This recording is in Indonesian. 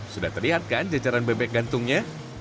sudah terlihat kan jajaran bebek gantungnya